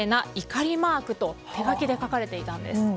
怒りマークと手書きで書かれていたんです。